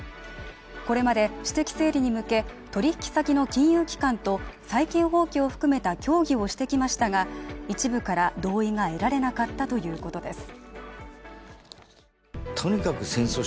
これまで私的整理に向け、取引先の金融機関と債権放棄を含めた協議をしてきましたが一部から同意が得られなかったということです